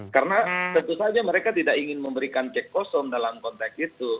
karena tentu saja mereka tidak ingin memberikan cek kosong dalam konteks itu